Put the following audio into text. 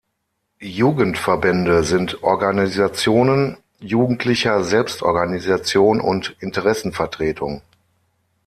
Jugendverbände sind Organisationen jugendlicher Selbstorganisation und Interessenvertretung.